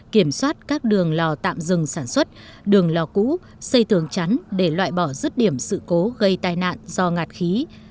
kiểm soát các đường lò tạm dừng sản xuất đường lò cũ xây tường chắn để loại bỏ rứt điểm sự cố gây tai nạn do ngạt khí